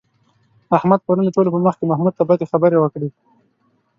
احمد پرون د ټولو په مخ کې محمود ته بدې خبرې وکړې.